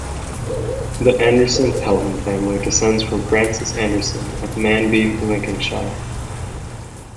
The Anderson-Pelham family descends from Francis Anderson of Manby, Lincolnshire.